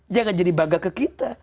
jangan jadi bangga ke kita